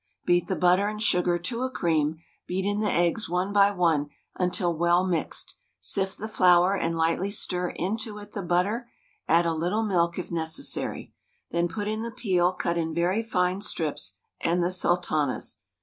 Beat the butter and sugar to a cream, beat in the eggs one by one until well mixed, sift the flour and lightly stir it into the butter, add a little milk if necessary. Then put in the peel cut in very fine strips and the sultanas.